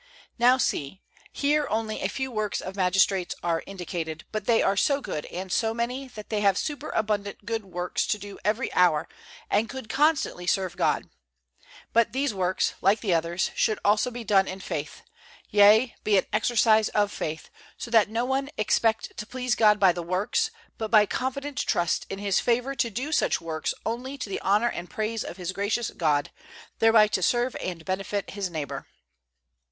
Now see, here only a few works of magistrates are indicated, but they are so good and so many, that they have superabundant good works to do every hour and could constantly serve God. But these works, like the others, should also be done in faith, yea, be an exercise of faith, so that no one expect to please God by the works, but by confident trust in His favor do such works only to the honor and praise of his gracious God, thereby to serve and benefit his neighbor.